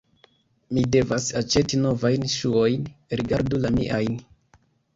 Mi devas aĉeti novajn ŝuojn; rigardu la miajn.